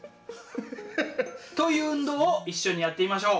という運動を一緒にやってみましょう。